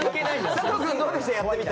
佐藤君、どうでした？